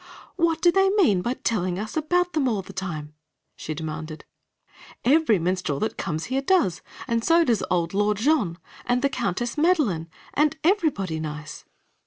"What do they mean by telling us about them all the time?" she demanded. "Every minstrel that comes here does, and so does old Lord Jean, and the Countess Madeline, and everybody nice."